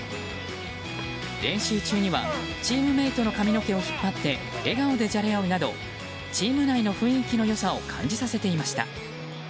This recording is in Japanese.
練習中には、チームメートの髪の毛を引っ張って笑顔でじゃれ合うなどチーム内の雰囲気の良さを感じさせていました。